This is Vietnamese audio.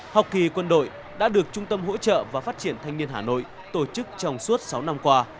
học kỳ quân đội đã được trung tâm hỗ trợ và phát triển thanh niên hà nội tổ chức trong suốt sáu năm qua